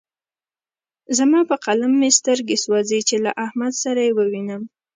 زما په قلم مې سترګې سوځې چې له احمد سره يې ووينم.